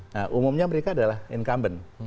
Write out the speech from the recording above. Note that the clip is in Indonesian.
nah umumnya mereka adalah incumbent